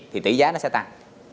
thì tỷ giá nó sẽ tăng